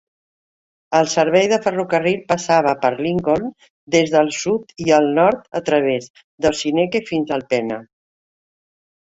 El servei de ferrocarril passava per Lincoln des del sud i el nord a través d'Ossineke fins a Alpena.